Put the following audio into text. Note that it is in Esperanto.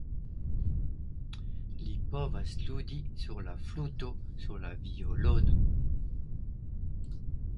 Li povas ludi sur la fluto, sur la violono.